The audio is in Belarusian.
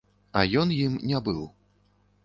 А ён ім не быў.